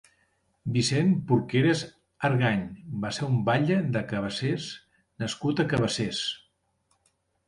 Vicent Porqueres Argany va ser un batlle de Cabassers nascut a Cabassers.